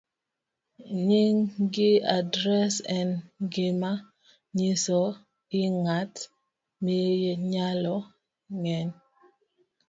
Nying' gi adres en gima nyiso i ng'at minyalo gen.